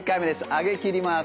上げきります。